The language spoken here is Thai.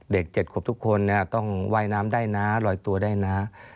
เด็ก๗ขวบทุกคนต้องว่ายน้ำได้นะลอยตัวได้นะ